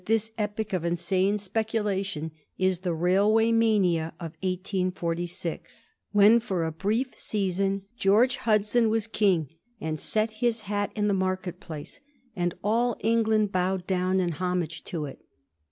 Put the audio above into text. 247 this epoch of insane speculation is the railway mania of 1846, when, for a brief season, George Hudson was king, and set up his hat in the market place, and all England bowed down in homage to it.